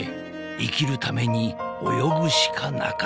［生きるために泳ぐしかなかった］